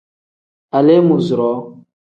Aleemuuzuroo.